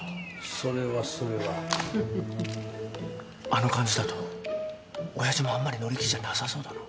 あの感じだと親父もあんまり乗り気じゃなさそうだな。